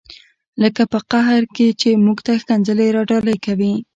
لکه په قهر کې چې موږ ته ښکنځلې را ډالۍ کوي.